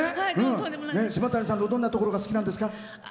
島谷さんのどんなところが好きなんですか？